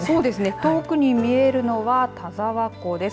遠くに見えるのは田沢湖です。